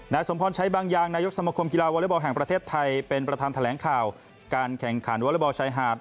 สมพรใช้บางอย่างนายกสมคมกีฬาวอเล็กบอลแห่งประเทศไทยเป็นประธานแถลงข่าวการแข่งขันวอเลอร์บอลชายหาด